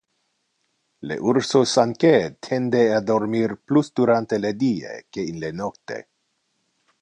Le ursos anque tende a dormir plus durante le die que in le nocte.